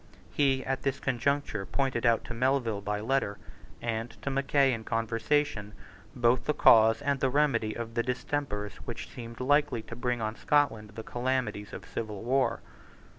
He at this conjuncture pointed out to Melville by letter, and to Mackay in conversation, both the cause and the remedy of the distempers which seemed likely to bring on Scotland the calamities of civil war.